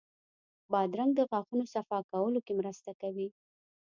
بادرنګ د غاښونو صفا کولو کې مرسته کوي.